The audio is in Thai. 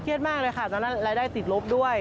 เครียดมากเลยค่ะตอนนั้นรายได้สิทธิ์ลบด้วย